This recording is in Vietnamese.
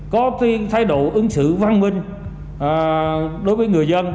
có thái độ ứng xử văn minh đối với người dân